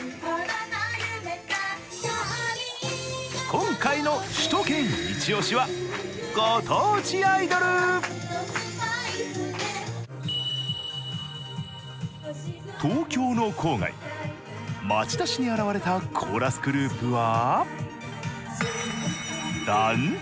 今回の「首都圏いちオシ！」は東京の郊外町田市に現れたコーラスグループは。